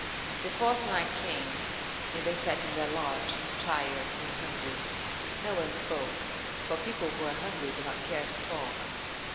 The fourth night came, and they sat in their lodge, tired and hungry. No one spoke, for people who are hungry do not care to talk.